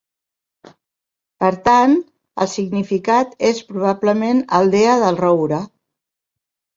Per tant, el significat és probablement "aldea del roure".